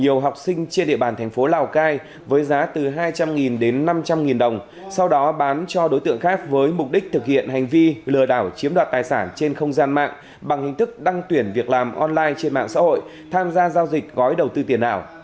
nhiều học sinh trên địa bàn thành phố lào cai với giá từ hai trăm linh đến năm trăm linh đồng sau đó bán cho đối tượng khác với mục đích thực hiện hành vi lừa đảo chiếm đoạt tài sản trên không gian mạng bằng hình thức đăng tuyển việc làm online trên mạng xã hội tham gia giao dịch gói đầu tư tiền ảo